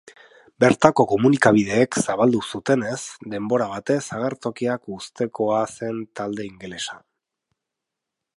Bertako komunikabideek zabaldu zutenez, denbora batez agertokiak uztekoa zen talde ingelesa.